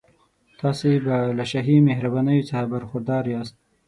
تاسي به له شاهي مهربانیو څخه برخوردار یاست.